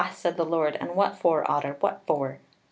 said the Lord, "and what for, Otter, what for?"